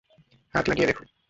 হাত লাগিয়ে দেখুন।